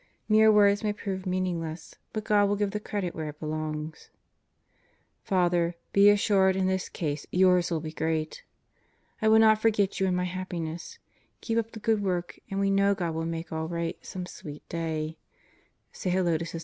Mere words may prove mean ingless, but God will give the credit where it belongs. Fr., be assured in this case yours will be great. I will not forget you in my happi ness. Keep up the good work and we know God will make all right some sweet day. Say Hello to Sr.